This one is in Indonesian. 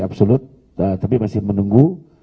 absolut tapi masih menunggu